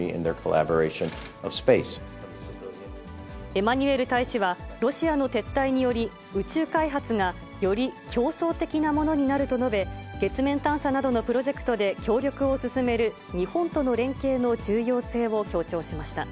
エマニュエル大使は、ロシアの撤退により、宇宙開発がより競争的なものになると述べ、月面探査などのプロジェクトで協力を進める日本との連携の重要性を強調しました。